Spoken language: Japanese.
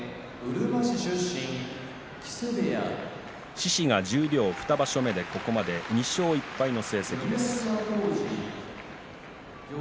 獅司が十両２場所目でここまで２勝１敗の成績です。